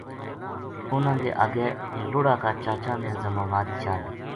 اُنھاں کے اَگے لُڑا کا چاچاں نے ذماواری چا لئی